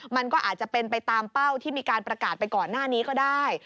มันก็อาจจะเป็นไปตามเป้าที่มีการประกาศไปก่อนหน้านี้ก็ได้